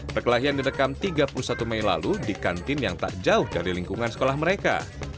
perkelahian didekam tiga puluh satu mei lalu di kantin yang tak jauh dari lingkungan sekolah mereka